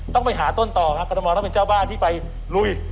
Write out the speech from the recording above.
ต้องไปหาต้นต่อครับกรทมต้องเป็นเจ้าบ้านที่ไปลุย